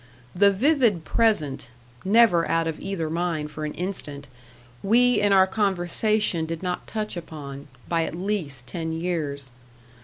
The vivid present never out of either mind for an instant we in our conversation did not touch upon, by at least ten years.